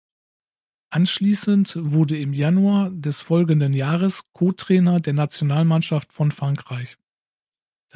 Anschließend wurde im Januar des folgenden Jahres Kotrainer der Nationalmannschaft von Frankreich.